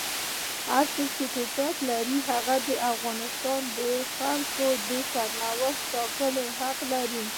څوک چې ټوپک لري هغه د افغانستان د خلکو د سرنوشت ټاکلو حق لري.